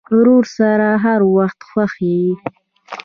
ورور سره هر وخت خوښ یې.